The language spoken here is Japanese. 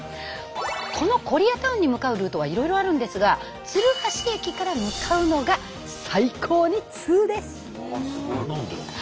このコリアタウンに向かうルートはいろいろあるんですが鶴橋駅から向かうのが最高にツウです！